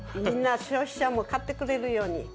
みんな消費者も買ってくれるように。